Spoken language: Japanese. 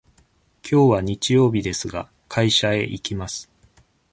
きょうは日曜日ですが、会社へ行きます。